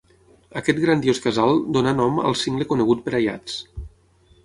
Aquest grandiós casal donà nom al cingle conegut per Aiats.